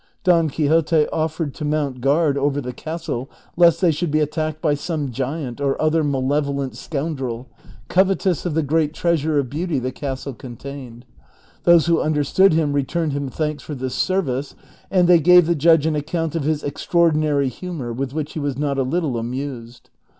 Don Quixote offered to mount guard over the castle lest they should be attacked by some giant or other malevolent scoundrel, covetous of the great treasure of beauty the castle contained. Those who understood him returned him thanks for this service, and they gave the judge an account of his extraordinary humor, with which he was not a little amused.